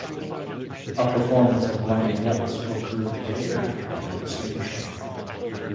A performance of "Blinding Lights" occurred the day after on the same show.